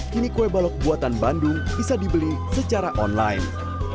kini kue balok buatan bandung bisa dibeli secara online